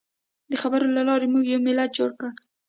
د خبرو له لارې موږ یو ملت جوړ کړ.